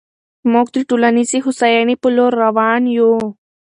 موږ د ټولنیزې هوساینې په لور روان یو.